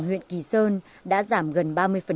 đoàn huyện kỳ sơn đã giảm gần ba mươi